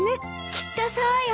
きっとそうよ。